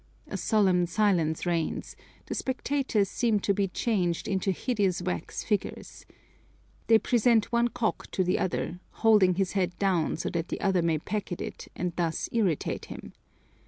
A solemn silence reigns; the spectators seem to be changed into hideous wax figures. They present one cock to the other, holding his head down so that the other may peck at it and thus irritate him.